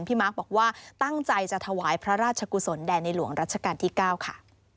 มาร์คบอกว่าตั้งใจจะถวายพระราชกุศลแด่ในหลวงรัชกาลที่๙ค่ะ